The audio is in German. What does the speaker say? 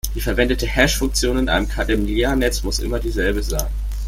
Die verwendete Hash-Funktion in einem Kademlia-Netz muss immer dieselbe sein.